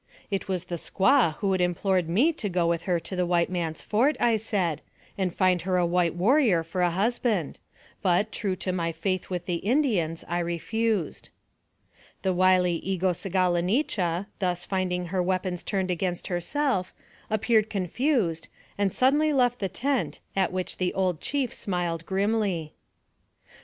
It was the squaw who had implored me to go with her to the white man's fort, I said, and find her a white warrior for a husband ; but, true to my faith with the Indians, I refused. AMONG THE SIOUX INDIANS. 133 The wily Egosegalonicha, thus finding her weapons turned against herself, appeared confused, and suddenly left the tent, at which the old chief smiled grimly.